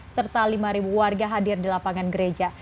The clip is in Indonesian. serta lima warga hadir di lapangan gereja